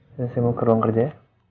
saya mau ke ruang kerja ya